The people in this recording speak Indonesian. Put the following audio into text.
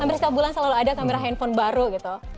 hampir setiap bulan selalu ada kamera handphone baru gitu